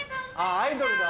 ・アイドルだ。